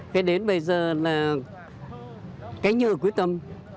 thế đến bây giờ là cái nhờ quyết tâm